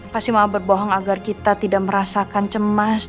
pasti mau berbohong agar kita tidak merasakan cemas